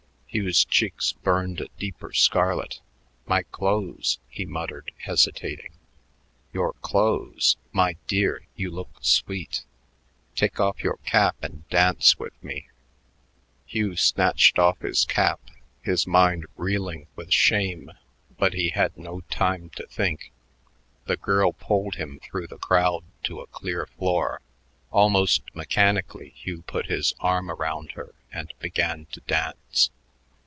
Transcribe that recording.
Hugh's cheeks burned a deeper scarlet. "My clothes," he muttered, hesitating. "Your clothes! My dear, you look sweet. Take off your cap and dance with me." Hugh snatched off his cap, his mind reeling with shame, but he had no time to think. The girl pulled him through the crowd to a clear floor. Almost mechanically, Hugh put his arm around her and began to dance.